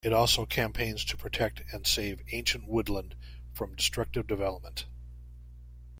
It also campaigns to protect and save ancient woodland from destructive development.